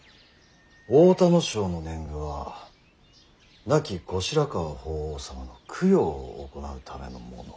太田荘の年貢は亡き後白河法皇様の供養を行うためのもの。